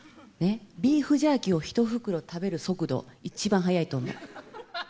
ビーフジャーキーを１袋食べる速度、一番速いと思う。